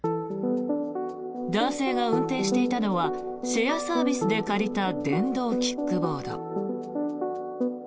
男性が運転していたのはシェアサービスで借りた電動キックボード。